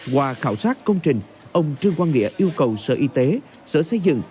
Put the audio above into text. qua khảo sát công trình ông trương quang nghĩa yêu cầu sở y tế sở xây dựng